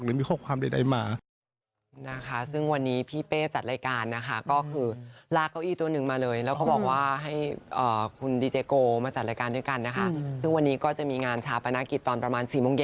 หรือมีข้อความใดมา